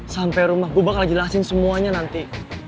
sampai rumah gue bakal jelasin semuanya nanti